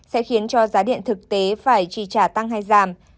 sẽ khiến cho giá điện thực tế phải trì trả tăng hay giảm